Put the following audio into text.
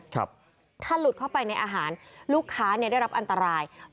ถ้าหลุดเข้าไปในอาหารลูกค้าเนี่ยได้รับอันตราย